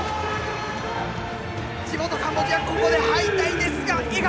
地元カンボジアここで敗退ですが笑顔！